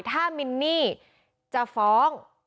ถ้ามินนี่จะฟ้อง